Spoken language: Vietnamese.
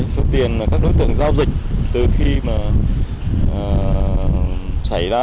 số tiền mà các đối tượng giao dịch từ khi mà xảy ra